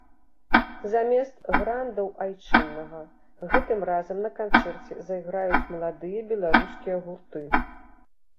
Замест грандаў айчыннага гэтым разам на канцэрце зайграюць маладыя беларускія гурты.